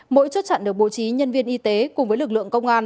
mỗi chốt chặn được bố trí nhân viên y tế cùng với lực lượng công an